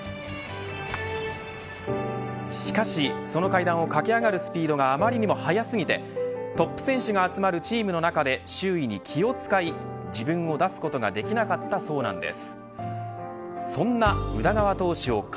しかし、その階段を駆け上がるスピードが余りにも早すぎてトップ選手が集まるチームの中で周囲に気を使い、自分を出すことができなかったそうなんです。